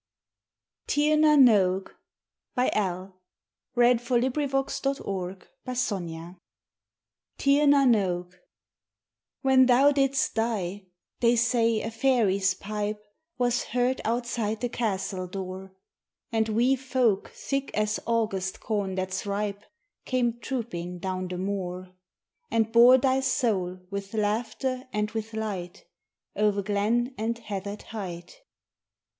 some poor glen And give the people Christ. XI "TÍR NAN ÓG" WHEN thou didst die, they say a fairy's pipe Was heard outside the castle door, And wee folk thick as August corn that's ripe Came trooping down the moor, And bore thy soul with laughter and with light O'er glen and heathered height.